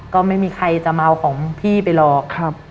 ก็ไม่มีใครจะมาเอาของพี่ไปหรอก